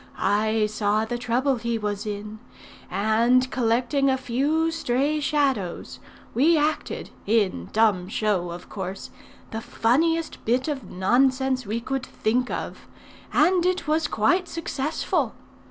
I saw the trouble he was in, and collecting a few stray Shadows, we acted, in dumb show of course, the funniest bit of nonsense we could think of; and it was quite successful.